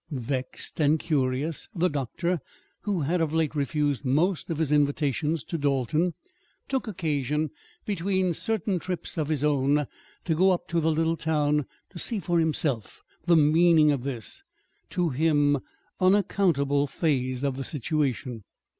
Vexed and curious, the doctor who had, of late, refused most of his invitations to Dalton took occasion, between certain trips of his own, to go up to the little town, to see for himself the meaning of this, to him, unaccountable phase of the situation.